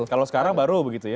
kalau sekarang baru begitu ya